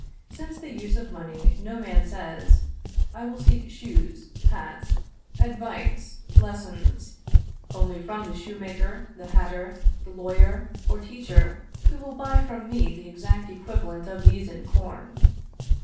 Since the use of money, no man says, I will seek shoes, hats, advice, lessons, only from the shoemaker, the hatter, the lawyer, or teacher, who will buy from me the exact equivalent of these in corn.